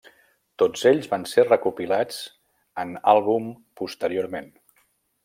Tots ells van ser recopilats en àlbum posteriorment.